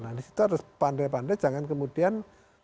nah di situ harus pandai pandai jangan kemudian